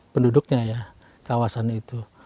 penduduknya ya kawasan itu